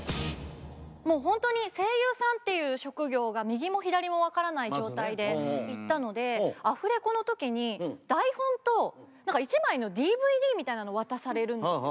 もうほんとに声優さんっていう職業が右も左も分からない状態で行ったのでアフレコの時に台本と何か１枚のＤＶＤみたいなのを渡されるんですよ。